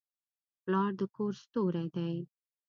پلار د کور ستوری دی.